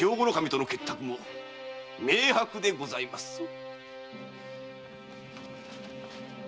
守との結託も明白でございます！